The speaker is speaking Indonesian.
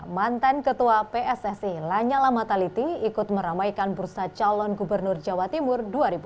mantan ketua pssi lanyala mataliti ikut meramaikan bursa calon gubernur jawa timur dua ribu delapan belas